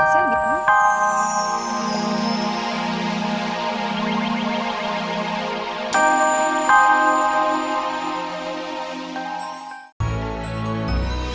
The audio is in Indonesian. saya lebih penuh